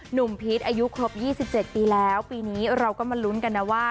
หนุ่มพีชอายุครบยี่สิบเจ็ดปีแล้วปีนี้เราก็มาลุ้นกันนะว่า